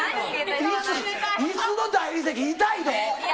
椅子の大理石痛いど」